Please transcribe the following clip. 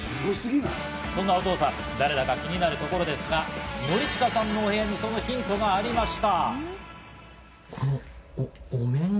そんなお父さん、誰だか気になるところですが、典親さんのお部屋にそのヒントがありました。